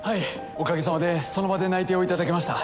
おかげさまでその場で内定を頂けました。